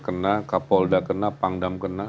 kena kapolda kena pangdam kena